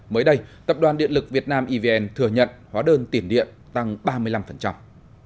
mới đây tập đoàn điện lực việt nam evn thừa nhận hóa đơn tiền điện tăng ba mươi năm